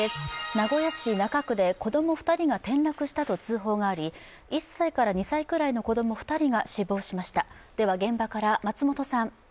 名古屋市中区で子供２人が転落したと通報があり１歳から２歳くらいの子供２人が死亡しました。